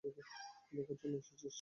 দেখার জন্য এসেছিস?